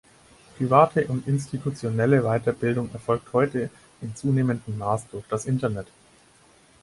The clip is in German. Private und institutionelle Weiterbildung erfolgt heute in zunehmenden Maß durch das Internet.